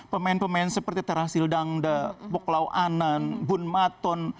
pemain pemain seperti terhasil dangda boklaw anand bun maton